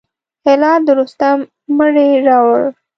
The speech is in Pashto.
هلال د رستم مړی راووړ.